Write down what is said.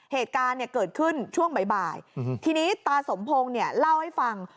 เหตุการณ์เนี่ยเกิดขึ้นช่วงบ่ายทีนี้ตาสมพงศ์เนี่ยเล่าให้ฟัง